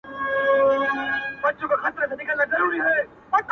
پر کندهار به دي لحظه ـ لحظه دُسمال ته ګورم؛